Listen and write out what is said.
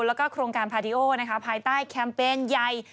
และก็โครงการพาร์ทิโอภายใต้แคมเปญใหญ่